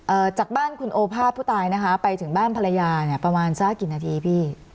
จากบ้านคุณโอภาษผู้ตายนะคะไปถึงบ้านภรรยาเนี่ยประมาณสักกี่นาทีพี่